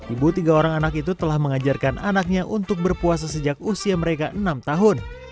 ibu tiga orang anak itu telah mengajarkan anaknya untuk berpuasa sejak usia mereka enam tahun